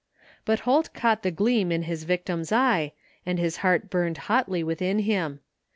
But Holt caught the gleam in his victim's eye and his heart burned hotly within him.